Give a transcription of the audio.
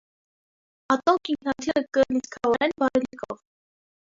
Ատոնք ինքնաթիռը կը լիցքաւորեն վառելիքով։